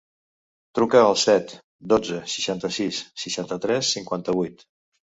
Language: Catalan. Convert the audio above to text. Truca al set, dotze, seixanta-sis, seixanta-tres, cinquanta-vuit.